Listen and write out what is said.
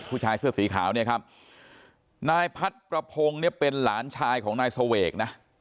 ผู้ชายเสื้อสีขาวเนี่ยครับนายพัดประพงศ์เนี่ยเป็นหลานชายของนายเสวกนะ